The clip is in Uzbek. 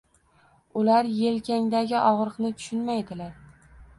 Ular yelkangdagi og‘riqni tushunmaydilar.